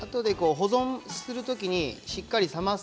保存するときにしっかり冷ます。